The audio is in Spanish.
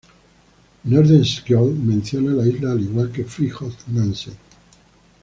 Nordenskiöld menciona la isla al igual que Fridtjof Nansen.